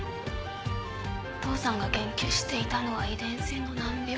お父さんが研究していたのは遺伝性の難病。